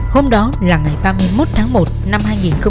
hôm đó là ngày ba mươi một tháng một năm hai nghìn hai mươi